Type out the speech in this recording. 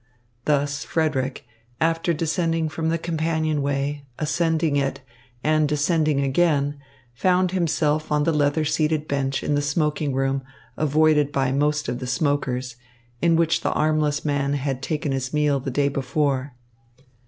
Thus, Frederick, after descending the companionway, ascending it, and descending again, found himself on the leather seated bench in the smoking room avoided by most of the smokers, in which the armless man had taken his meal the day before.